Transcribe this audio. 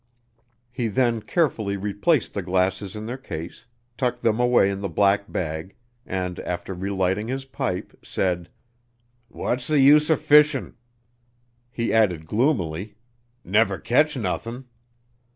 He then carefully replaced the glasses in their case, tucked them away in the black bag, and, after relighting his pipe, said, "What's the use er fishin'?" He added gloomily, "Never catch nothin'."